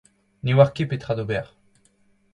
ne oar ket petra d'ober.